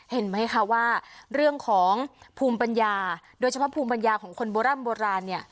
เห็นไหมคะว่าเรื่องของภูมิปัญญาโดยเฉพาะภูมิปัญญาของคนโบร่ำโบราณเนี่ย